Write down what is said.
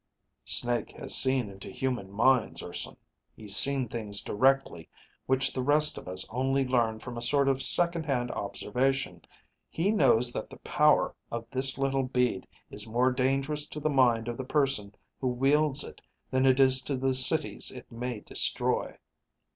"Snake has seen into human minds, Urson. He's seen things directly which the rest of us only learn from a sort of second hand observation. He knows that the power of this little bead is more dangerous to the mind of the person who wields it than it is to the cities it may destroy."